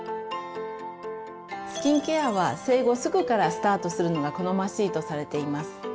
スキンケアは生後すぐからスタートするのが好ましいとされています。